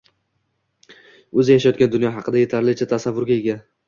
O‘zi yashayotgan dunyo haqida yetarlicha tasavvurga ega